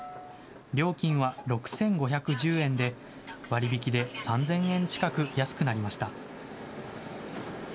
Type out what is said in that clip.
料金は６５１０円で、割引で３０００円近く安くなりました。